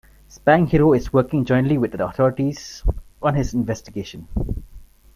Spanghero is working jointly with the authorities on this investigation.